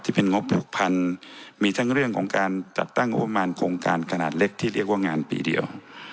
เป็นงบหกพันมีทั้งเรื่องของการจัดตั้งงบประมาณโครงการขนาดเล็กที่เรียกว่างานปีเดียว